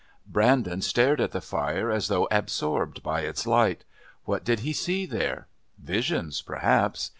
Brandon stared at the fire as though absorbed by its light. What did he see there? Visions perhaps?